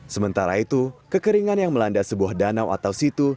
sementara itu kekeringan yang melanda sebuah danau atau situ